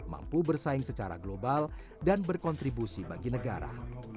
mampu bersaing secara global dan berkontribusi bagi negara